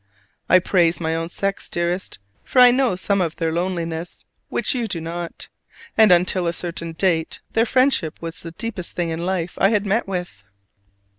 I praise my own sex, dearest, for I know some of their loneliness, which you do not: and until a certain date their friendship was the deepest thing in life I had met with.